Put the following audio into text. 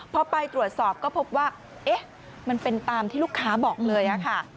พอไปตรวจสอบก็พบว่ามันเป็นตามที่ลูกค้าบอกเลยค่ะ